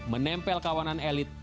menempel kawanan elit